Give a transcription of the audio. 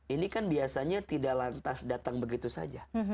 ini kan biasanya tidak lantas datang begitu saja